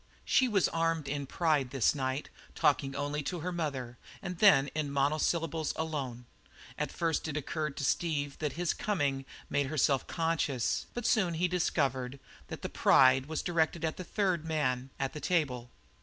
She was armed in pride this night, talking only to her mother, and then in monosyllables alone. At first it occurred to Steve that his coming had made her self conscious, but he soon discovered that her pride was directed at the third man at the table.